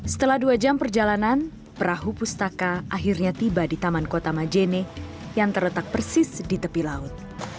setelah dua jam perjalanan perahu pustaka akhirnya tiba di taman kota majene yang terletak persis di tepi laut